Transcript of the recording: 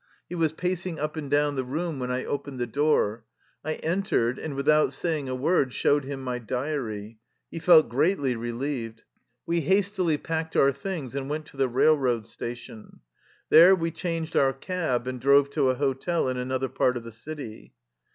He was pacing up and down the room when I opened the door. I entered and, without saying a word, showed him my diary. He felt greatly relieved. We hastily packed our things and went to the railroad sta tion. There we changed our cab and drove to a hotel in another part of the city.